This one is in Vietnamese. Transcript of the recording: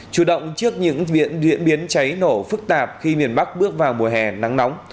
chủ động trước những diễn biến cháy nổ phức tạp khi miền bắc bước vào mùa hè nắng nóng